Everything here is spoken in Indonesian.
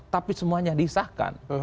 tapi semuanya disahkan